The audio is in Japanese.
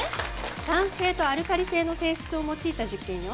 酸性とアルカリ性の性質を用いた実験よ。